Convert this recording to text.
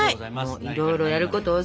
いろいろやること多すぎて！